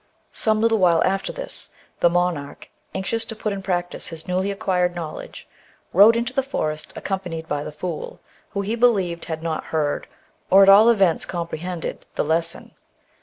Some little while after this, the monarch, anxious to put in practice his newly acquired knowledge, rode into the forest accompanied by his fool, who, he believed, had not heard, or, at all events comprehended, the lesson.